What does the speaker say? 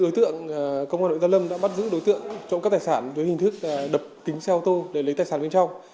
đối tượng công an hà nội gia lâm đã bắt giữ đối tượng trộm cắp tài sản với hình thức đập kính xe ô tô để lấy tài sản bên trong